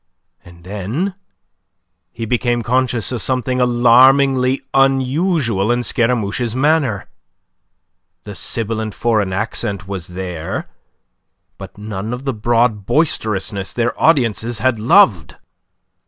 And then he became conscious of something alarmingly unusual in Scaramouche's manner. The sibilant foreign accent was there, but none of the broad boisterousness their audiences had loved.